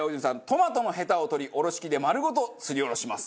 トマトのヘタを取りおろし器で丸ごとすりおろします。